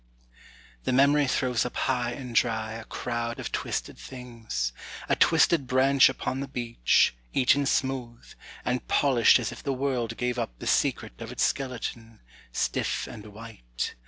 â The memory throws up high and dry A crowd of twisted things; A twisted branch upon the beach Eaten smooth, and polished As if the world gave up The secret of its skeleton, Stiff and white.